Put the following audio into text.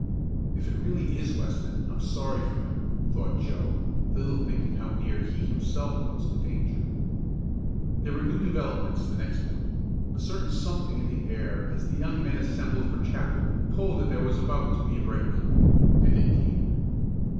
"If it really is Weston I'm sorry for him," thought Joe, little thinking how near he himself was to danger. There were new developments the next morning a certain something in the air as the young men assembled for chapel told that there was about to be a break. And it came.